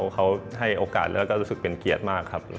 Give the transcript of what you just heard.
เขาให้โอกาสแล้วก็รู้สึกเป็นเกียรติมากครับ